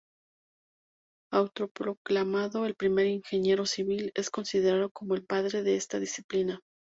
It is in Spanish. Autoproclamado el primer "ingeniero civil", es considerado como el "padre" de esta disciplina.